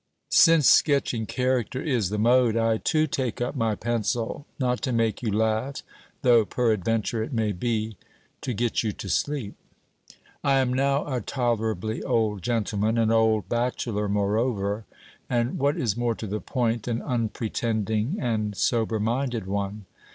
Since sketching character is the mode, I too take up my pencil, not to make you laugh, though peradventure it may be to get you to sleep. I am now a tolerably old gentleman an old bachelor, moreover and, what is more to the point, an unpretending and sober minded one.